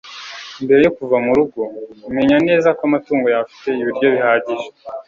Mbere yo kuva mu rugo menya neza ko amatungo yawe afite ibiryo bihagije